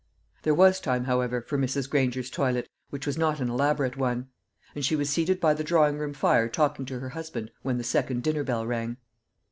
There was time, however, for Mrs. Granger's toilet, which was not an elaborate one; and she was seated by the drawing room fire talking to her husband when the second dinner bell rang.